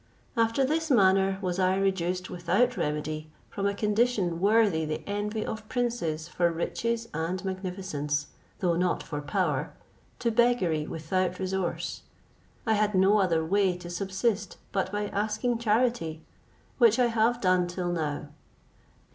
After this manner was I reduced without remedy from a condition worthy the envy of princes for riches and magnificence, though not for power, to beggary without resource. I had no other way to subsist but by asking charity, which I have done till now.